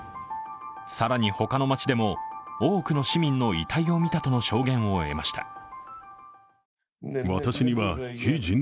更に他の街でも多くの市民の遺体を見たとの証言を得ました。